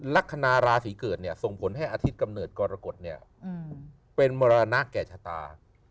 ลักษณะราศีเกิดเนี่ยส่งผลให้อาทิตย์กำเนิดกรกฎเป็นมรณะแก่ชะตา